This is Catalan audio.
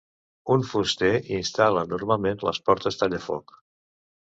Un fuster instal·la normalment les portes tallafoc.